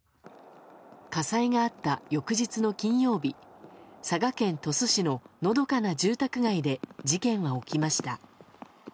火災があった翌日の金曜日佐賀県鳥栖市ののどかな住宅街で事件は起きました。